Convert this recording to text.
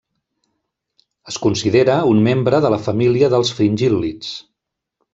Es considera un membre de la família dels fringíl·lids.